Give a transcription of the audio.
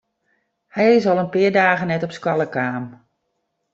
Hy is al in pear dagen net op skoalle kaam.